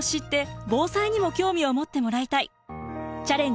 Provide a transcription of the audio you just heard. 「チャレンジ！